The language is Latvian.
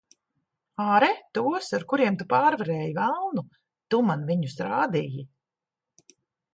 Āre tos, ar kuriem tu pārvarēji velnu. Tu man viņus rādīji.